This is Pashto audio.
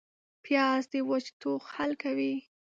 پیاز د وچ ټوخ حل کوي